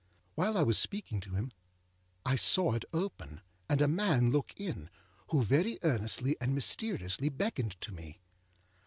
While I was speaking to him, I saw it open, and a man look in, who very earnestly and mysteriously beckoned to me.